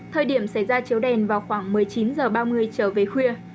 thời điểm xảy ra chiếu đèn vào khoảng một mươi chín h ba mươi trở về khuya